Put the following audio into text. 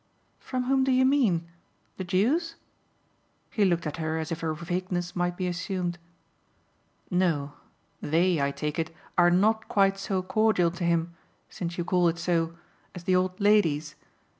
"From whom do you mean the Jews?" He looked at her as if her vagueness might be assumed. "No. They, I take it, are not quite so cordial to him, since you call it so, as the old ladies.